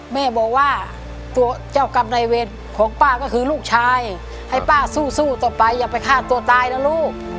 แม่บอกว่าตัวเจ้ากรรมในเวรของป้าก็คือลูกชายให้ป้าสู้ต่อไปอย่าไปฆ่าตัวตายนะลูก